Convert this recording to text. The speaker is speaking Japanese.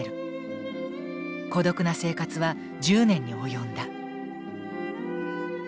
孤独な生活は１０年に及んだ。